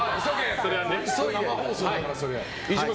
生放送だから、そりゃ。